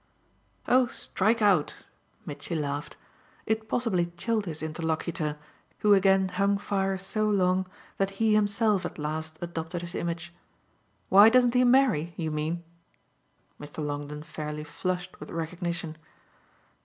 "Oh strike out!" Mitchy laughed. It possibly chilled his interlocutor, who again hung fire so long that he himself at last adopted his image. "Why doesn't he marry, you mean?" Mr. Longdon fairly flushed with recognition.